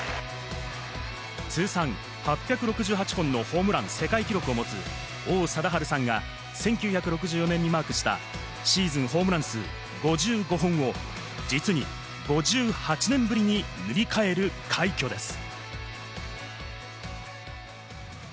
通算８６８本のホームラン世界記録を持つ、王貞治さんが１９６４年にマークしたシーズンホームラン数５５本を実に５８年ぶりに塗り替える快挙です。